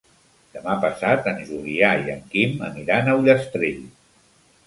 Demà passat en Julià i en Quim aniran a Ullastrell.